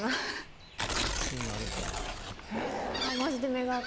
そうなるか。